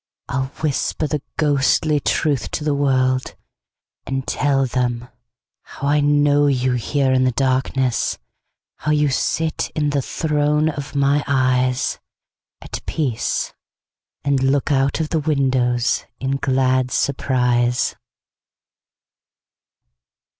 I'll whisper the ghostly truth to the worldAnd tell them howI know you here in the darkness, How you sit in the throne of my eyesAt peace, and look out of the windowsIn glad surprise.